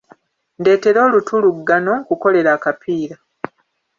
Ndeetera olutuluggano nkukolere akapiira.